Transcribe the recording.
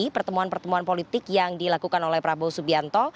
pertemuan pertemuan politik yang dilakukan oleh prabowo subianto